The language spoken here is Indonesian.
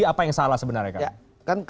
apa yang salah sebenarnya kang